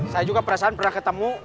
saya juga perasaan pernah ketemu